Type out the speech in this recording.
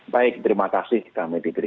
baik terima kasih kami diberi